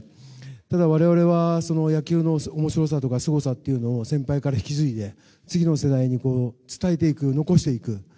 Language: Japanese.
ただ我々は、野球の面白さとかすごさっていうものを先輩から引き継いで次の世代に伝えていく残していく。